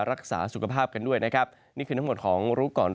รักษาสุขภาพกันด้วยนะครับนี่คือทั้งหมดของรู้ก่อน